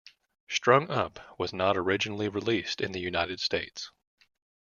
"Strung Up" was not originally released in the United States.